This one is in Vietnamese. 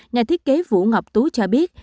ngài thiết kế vũ ngọc tú cho biết